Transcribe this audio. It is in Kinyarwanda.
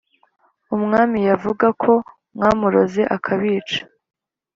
umwami yavuga ko mwamuroze akabica"